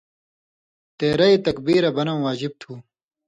تېرئ تکبیرہ بنٶں واجب تھُو۔